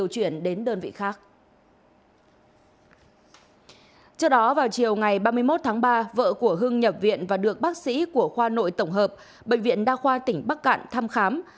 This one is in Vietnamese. trước đó vào chiều ngày ba mươi một tháng ba vợ của hưng nhập viện và được bác sĩ của khoa nội tổng hợp bệnh viện đa khoa tỉnh bắc cạn thăm khám